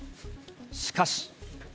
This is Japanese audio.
しかし。